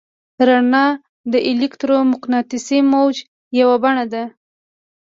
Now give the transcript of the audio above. رڼا د الکترومقناطیسي موج یوه بڼه ده.